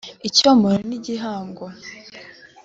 icyomoro n’igihango